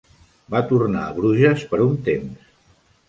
Va tornar a Bruges per un temps.